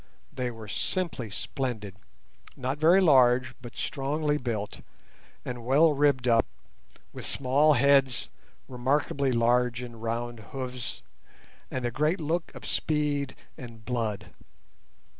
They were simply splendid, not very large but strongly built, and well ribbed up, with small heads, remarkably large and round hoofs, and a great look of speed and blood.